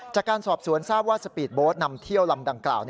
จากการสอบสวนทราบว่าสปีดโบสต์นำเที่ยวลำดังกล่าว